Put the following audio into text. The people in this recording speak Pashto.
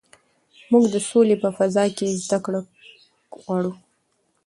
موږ د سولې په فضا کې زده کړه غواړو.